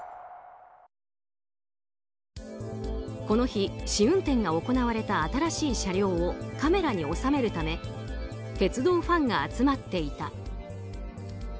この日、試運転が行われた新しい車両をカメラに収めるため鉄道ファンが集まっていた。